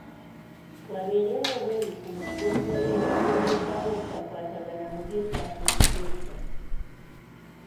Wabeerewo obwerufu mu kugonjoola ebizze bireetawo obutakwatagana mu by’ettaka okuva edda.